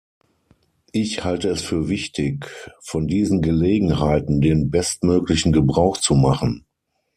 Ich halte es für wichtig, von diesen Gelegenheiten den bestmöglichen Gebrauch zu machen.